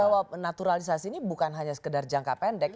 bahwa naturalisasi ini bukan hanya sekedar jangka pendek